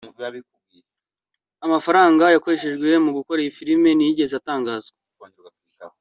Amafaranga yakoreshejwe mu gukora iyi filime ntiyigeze atangazwa.